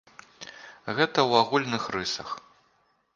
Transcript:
Гэта ў агульных рысах.